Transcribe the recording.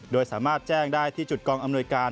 โดยสามารถแจ้งได้ที่จุดกองอำนวยการ